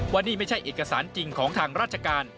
ว่านี่ไม่ใช่เอกสารจริงของทางราชการ